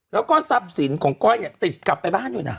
แล้วก็ทรัพย์สินของก้อยเนี่ยติดกลับไปบ้านด้วยนะ